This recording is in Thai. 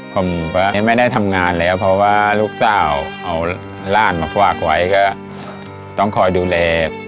ผมก็ยังไม่ได้ทำงานแล้วเพราะว่าลูกสาวเอาร่านมาฝากไว้ก็ต้องคอยดูแล